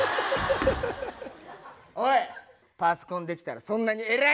おいパソコンできたらそんなに偉いのかよ！